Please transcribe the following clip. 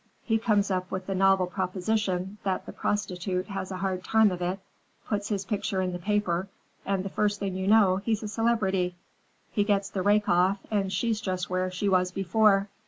He comes up with the novel proposition that the prostitute has a hard time of it, puts his picture in the paper, and the first thing you know, he's a celebrity. He gets the rake off and she's just where she was before.